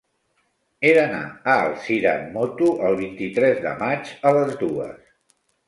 He d'anar a Alzira amb moto el vint-i-tres de maig a les dues.